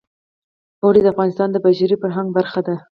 اوړي د افغانستان د بشري فرهنګ برخه ده.